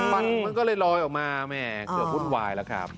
ฟันมันก็เลยลอยออกมาแม่เกือบวุ่นวายแล้วครับ